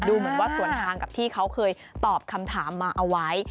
ดูเหมือนว่าส่วนทางกับที่เขาเคยตอบคำถามมาเอาไว้